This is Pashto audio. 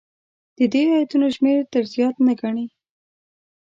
د دې ایتونو شمېر تر زیات نه ګڼي.